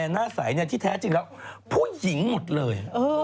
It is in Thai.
หน้าใสที่แท้จริงแล้วผู้หญิงหมดเลย